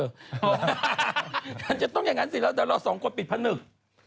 มันจะต้องอย่างนั้นสิแล้วเดี๋ยวเราสองคนปิดผนึก